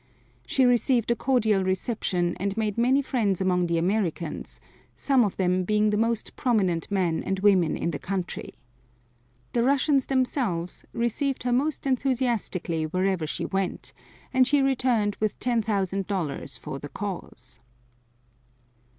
She received a cordial reception and made many friends among the Americans, some of them being the most prominent men and women in the country. The Russians themselves received her most enthusiastically wherever she went, and she returned with $10,000 for the Cause.